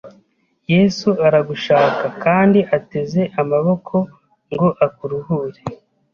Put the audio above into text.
Yesu aragushaka kandi ateze amaboko ngo akuruhure